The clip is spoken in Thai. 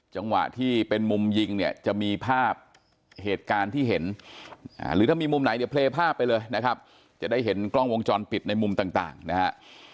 จังหวะที่เป็นมุมยิงเนี่ยจะมีภาพเหตุการณ์ที่เห็นหรือถ้ามีมุมไหนเดี๋ยวเพลย์ภาพไปเลยนะครับจะได้เห็นกล้องวงจรปิดในมุมต่างนะฮะ